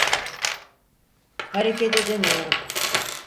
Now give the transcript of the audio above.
Hareket edemiyorum.